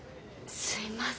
すいません。